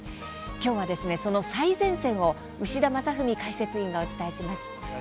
今日は、その最前線を牛田正史解説委員がお伝えします。